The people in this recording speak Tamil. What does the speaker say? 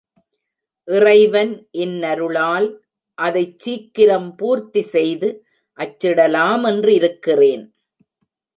இறைவன் இன்னருளால் அதைச் சீக்கிரம் பூர்த்தி செய்து அச்சிடலாமென்றிருக்கிறேன்.